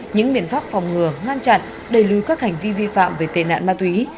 những biện pháp phòng ngừa ngăn chặn đầy lưu các hành vi vi phạm về tệ nạn ma túy